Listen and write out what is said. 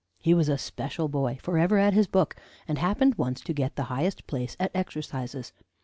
"He was a special boy, forever at his book, and happened once to get the highest place at exercises.